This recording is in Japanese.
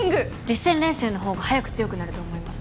実戦練習のほうが早く強くなると思います。